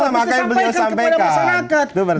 makanya beliau sampaikan